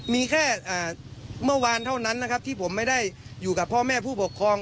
มีแค่เมื่อวานเท่านั้นนะครับที่ผมไม่ได้อยู่กับพ่อแม่ผู้ปกครอง